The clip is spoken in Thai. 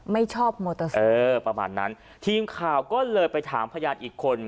ไม่ชอบมอเตอร์ไซค์เออประมาณนั้นทีมข่าวก็เลยไปถามพยานอีกคน